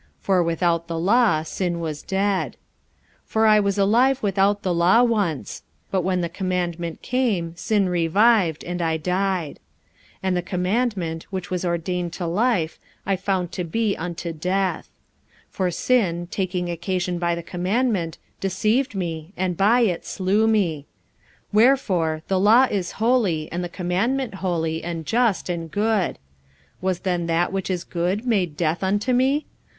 For without the law sin was dead. 45:007:009 For I was alive without the law once: but when the commandment came, sin revived, and I died. 45:007:010 And the commandment, which was ordained to life, I found to be unto death. 45:007:011 For sin, taking occasion by the commandment, deceived me, and by it slew me. 45:007:012 Wherefore the law is holy, and the commandment holy, and just, and good. 45:007:013 Was then that which is good made death unto me?